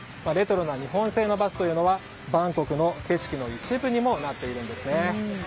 レトロな日本製のバスというのはバンコクの景色の一部にもなっているんですね。